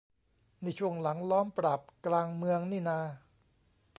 นี่ช่วงหลังล้อมปราบกลางเมืองนี่นา